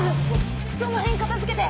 その辺片付けて！